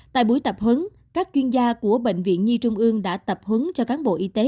tại buổi tập huấn các chuyên gia của bệnh viện nhi trung ương đã tập huấn cho cán bộ y tế